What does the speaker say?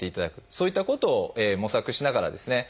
そういったことを模索しながらですね